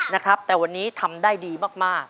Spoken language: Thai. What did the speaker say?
นะครับแต่วันนี้ทำได้ดีมาก